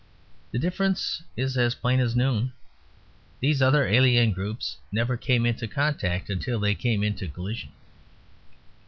The difference is as plain as noon; these other alien groups never came into contact until they came into collision.